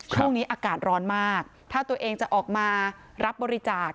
ช่วงนี้อากาศร้อนมากถ้าตัวเองจะออกมารับบริจาค